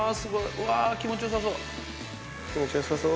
うわー、気持ち気持ちよさそう？